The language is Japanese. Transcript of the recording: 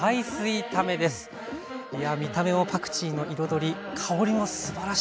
いや見た目もパクチーの彩り香りもすばらしいです。